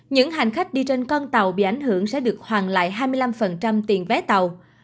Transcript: những hành khách đi trên con tàu bị ảnh hưởng sẽ được hoàn lại hai mươi năm tiền vé tàu